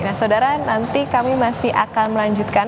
nah saudara nanti kami masih akan melanjutkan